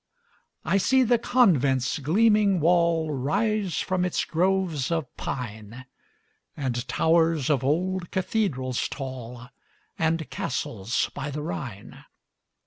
I see the convent's gleaming wall Rise from its groves of pine, And towers of old cathedrals tall, And castles by the Rhine.